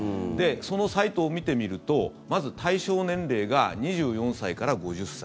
そのサイトを見てみるとまず、対象年齢が２４歳から５０歳。